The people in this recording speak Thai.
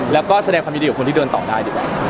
แล้วก็แสดงความยินดีกับคนที่เดินต่อได้ดีกว่า